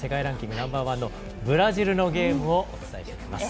ナンバーワンのブラジルのゲームをお伝えしていきます。